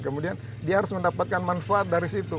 kemudian dia harus mendapatkan manfaat dari situ